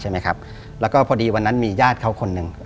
แล้วก็พอดีวันนั้นมีญาติเขาคนหนึ่ง